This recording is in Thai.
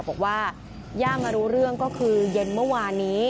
บอกว่าย่ามารู้เรื่องก็คือเย็นเมื่อวานนี้